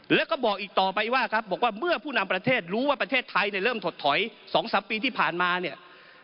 แล้วก็บอกอีกต่อไปว่าครับบอกว่าเมื่อผู้นำประเทศรู้ว่าประเทศไทยเริ่มถดถอย๒๓ปีที่ผ่านมาเนี่ย